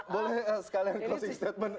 boleh sekalian closing statement